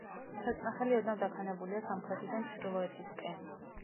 საწნახელი ოდნავ დაქანებულია სამხრეთიდან ჩრდილოეთისკენ.